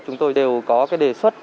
chúng tôi đều có cái đề xuất